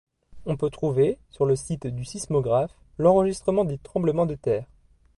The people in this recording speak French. On peut trouver, sur le site du sismographe, l'enregistrement des tremblements de terre.